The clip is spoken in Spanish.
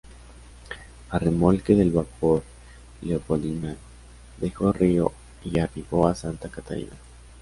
A remolque del vapor "Leopoldina" dejó Río y arribó a Santa Catarina.